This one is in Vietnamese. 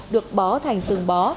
được bó thành từng bó